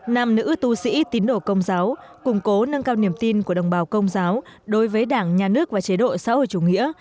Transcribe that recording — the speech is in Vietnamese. nam nữ tu sĩ tín đổ công giáo củng cố nâng cao niềm tin của đồng bào công giáo đối với đảng nhà nước và chế độ xã hội chủ nghĩa